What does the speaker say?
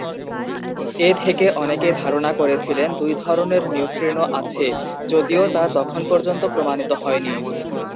এ থেকে অনেকে ধারণা করেছিলেন দুই ধরনের নিউট্রিনো আছে যদিও তা তখন পর্যন্ত প্রমাণিত হয়নি।